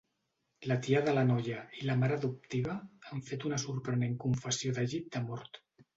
La tia de la noia i la mare adoptiva han fet una sorprenent confessió de llit de mort.